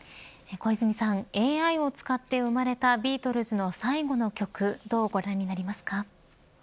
ＡＩを使って生まれたビートルズの最後の曲どうご覧になりますか。